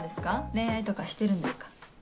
恋愛とかしてるんですか？